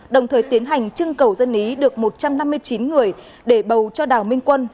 đồng thời tiến hành trưng cầu dân ý được một trăm năm mươi chín người để bầu cho đào minh quân